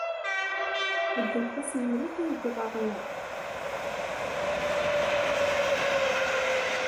Tbeddemt-asen mliḥ i yegḍaḍ-nni.